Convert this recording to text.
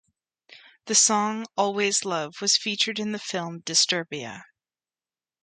The song, "Always Love", was featured in the film, "Disturbia".